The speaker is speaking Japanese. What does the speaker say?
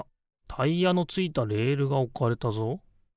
タイヤのついたレールがおかれたぞ。